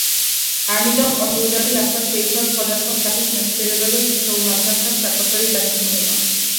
ამიტომ კომპიუტერი ახლა შეიცავს სხვადასხვა სახის მეხსიერებას, და თითოეულ მათგანს აქვს საკუთარი დანიშნულება.